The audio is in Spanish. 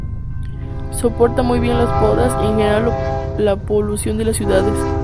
Soporta muy bien las podas y en general la polución de las ciudades.